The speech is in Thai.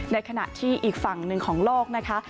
ในขณะที่อีกฝั่งหนึ่งของโลกนะคะ